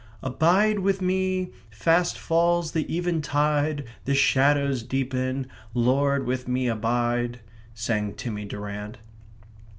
/* "Abide with me: Fast falls the eventide; The shadows deepen; Lord, with me abide," */ sang Timmy Durrant.